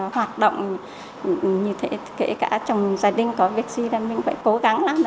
hoạt động như thế kể cả chồng gia đình có việc gì là mình phải cố gắng làm